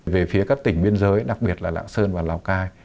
về phía các tỉnh biên giới đặc biệt là lạng sơn và lào cai